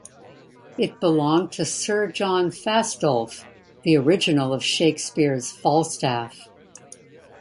It belonged to Sir John Fastolf, the original of Shakespeare's Falstaff.